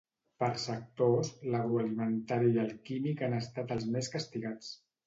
Per sectors, l'agroalimentari i el químic han estat els més castigats.